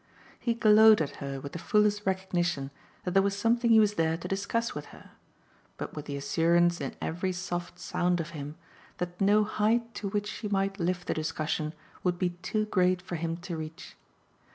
He glowed at her with the fullest recognition that there was something he was there to discuss with her, but with the assurance in every soft sound of him that no height to which she might lift the discussion would be too great for him to reach.